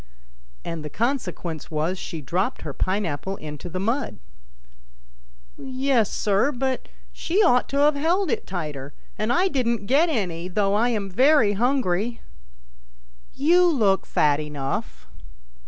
" And the consequence was she dropped her pine apple into the mud." " Yes, sir, but she ought to have held it tighter ; and I didn't get any, though I am very hungry." " You look fat enough."